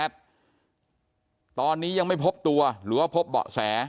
ตอนนี้ยังไม่พบตัวหรือว่าพบเบาะแส